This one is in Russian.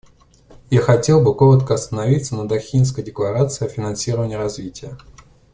Я хотел бы коротко остановиться на Дохинской декларации о финансировании развития.